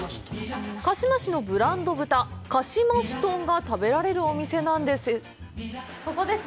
鹿嶋市のブランド豚かしまし豚が食べられるお店なんだそうです。